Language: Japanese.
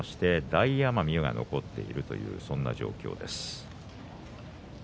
大奄美が残っているという状況です。